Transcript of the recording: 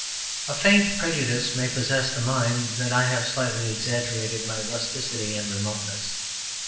A faint prejudice may possess the mind that I have slightly exaggerated my rusticity and remoteness.